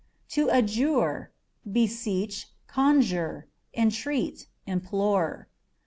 To Adjure â€" beseech, conjure, entreat, implore.